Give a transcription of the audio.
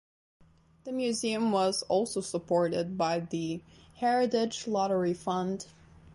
The museum was also supported by the Heritage Lottery Fund.